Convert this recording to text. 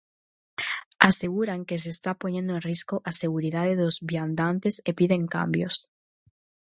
Aseguran que se está poñendo en risco a seguridade dos viandantes e piden cambios.